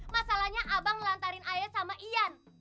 masalahnya abang lantarin ayah sama ian